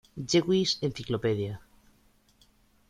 Jewish Encyclopedia.